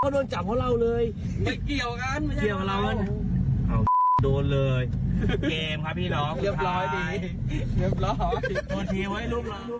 โดนเลยเกมค่ะพี่หรอคุณไทย